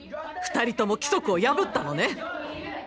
２人とも規則を破ったのね。